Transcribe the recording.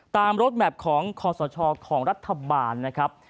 รถแมพของคอสชของรัฐบาลนะครับ